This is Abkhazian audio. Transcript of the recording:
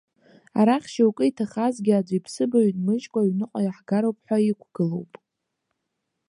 Арахь шьоукы, иҭахазгьы аӡә иԥсыбаҩ нмыжькәа аҩныҟа иаҳгароуп ҳәа иқәгылоуп.